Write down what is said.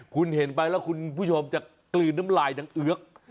คุณเห็นไปแล้วคุณผู้ชมจะกลืนน้ำลายดังเอือก